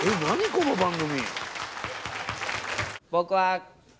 この番組。